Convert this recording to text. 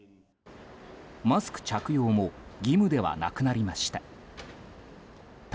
マスク着用も義務ではなくなりました。